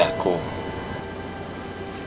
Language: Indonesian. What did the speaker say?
kalo rumana itu mencintai aku